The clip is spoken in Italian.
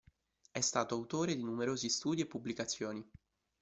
È stato autore di numerosi studi e pubblicazioni.